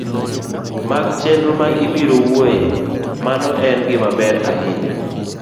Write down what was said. mag chenro ma ibiro wuoye, mano en gimaber ahinya